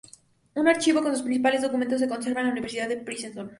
Un archivo con sus principales documentos se conserva en la Universidad de Princeton.